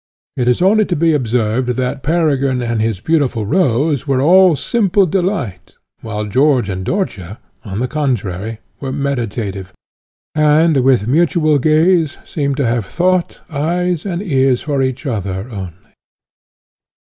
It is only to be observed, that Peregrine and his beautiful Rose were all simple delight, while George and Dörtje, on the contrary, were meditative, and with mutual gaze seemed to have thought, eyes, and ears for each other only.